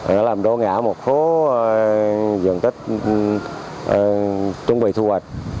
nó làm đô ngã một số dưỡng tích chuẩn bị thu hoạch